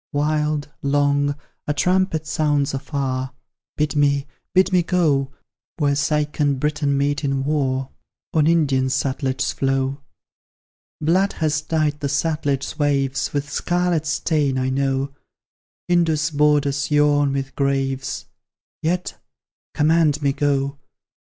Wild, long, a trumpet sounds afar; Bid me bid me go Where Seik and Briton meet in war, On Indian Sutlej's flow. Blood has dyed the Sutlej's waves With scarlet stain, I know; Indus' borders yawn with graves, Yet, command me go!